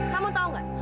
kamu tahu gak